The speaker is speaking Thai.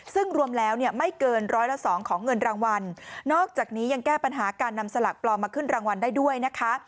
ซึ่งรวมแล้วเนี่ยไม่เกินร้อยละสองของเงินรางวัลนอกจากนี้ยังแก้ปัญหาการนำสลากปลอมมาขึ้นรางวัลได้ด้วยนะคะ